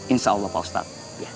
insya allah pak ustadz